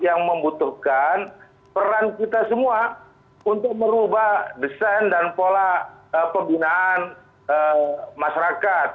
yang membutuhkan peran kita semua untuk merubah desain dan pola pembinaan masyarakat